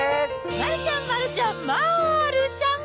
丸ちゃん、丸ちゃん、丸ちゃん。